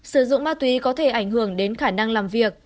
sử dụng ma túy có thể ảnh hưởng đến khả năng làm việc